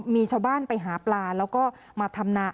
มีชาวบ้านไปหาปลาแล้วก็มาทำนา